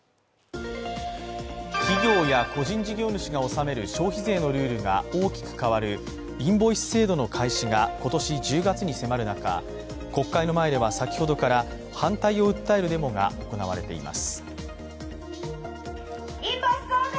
企業や個人事業主が納める消費税のルールが大きく変わるインボイス制度の開始が今年１０月に迫る中国会の前では先ほどから反対を訴えるデモが行われています。